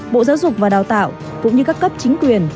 bộ giáo dục và đào tạo cũng như các cấp chính quyền